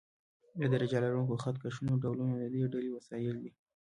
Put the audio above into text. د درجه لرونکو خط کشونو ډولونه د دې ډلې وسایل دي.